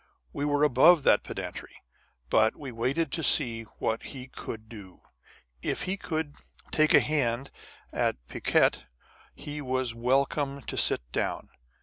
â€" we were above that pedantry ; but we waited to see what he could do. If he could take a hand at piquet, he was welcome to sit down.